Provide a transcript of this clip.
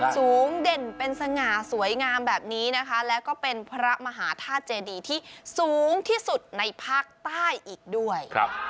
เด่นเป็นสง่าสวยงามแบบนี้นะคะแล้วก็เป็นพระมหาธาตุเจดีที่สูงที่สุดในภาคใต้อีกด้วย